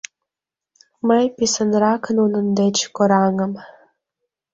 Мый писынрак нунын деч кораҥым.